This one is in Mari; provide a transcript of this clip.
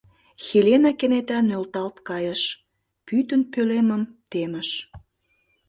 — Хелена кенета нӧлталт кайыш, пӱтынь пӧлемым темыш.